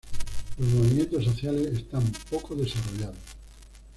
Los movimientos sociales están poco desarrollados.